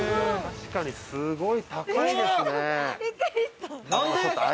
◆確かに、すごい高いですね。